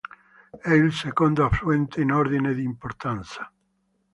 È il secondo affluente in ordine di importanza.